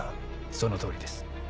そのとおりです。